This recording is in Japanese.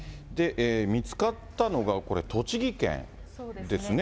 見つかったのがこれ、栃木県ですね。